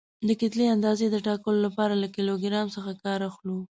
د کتلې اندازې د ټاکلو لپاره له کیلو ګرام څخه کار اخلو.